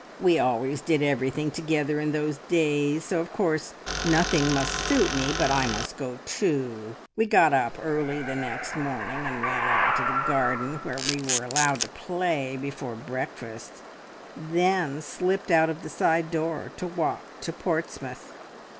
We always did everything together in those days, so of course nothing must suit me but I must go too. We got up early the next morning, and ran out into the garden, where we were allowed to play before breakfast, and then slipped out of the side door, to walk to Portsmouth.